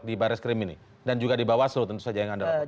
di baris krim ini dan juga di bawaslu tentu saja yang anda lakukan